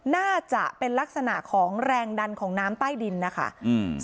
น่าจะเป็นลักษณะของแรงดันของน้ำใต้ดินนะคะอืม